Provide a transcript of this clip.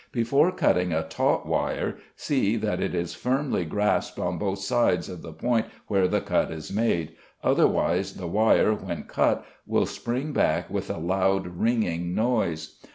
Before cutting a taut wire see that it is firmly grasped on both sides of the point where the cut is made, otherwise the wire when cut will spring back with a loud, ringing noise.